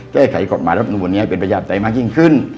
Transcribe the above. แก้ไขกฎหมายรัฐมนุษย์นี้ให้เป็นประหยาบใจมากยิ่งขึ้น